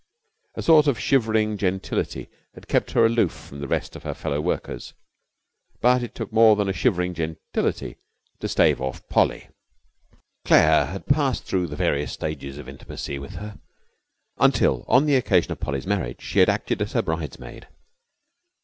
A sort of shivering gentility had kept her aloof from the rest of her fellow workers, but it took more than a shivering gentility to stave off Polly. Claire had passed through the various stages of intimacy with her, until on the occasion of Polly's marriage she had acted as her bridesmaid.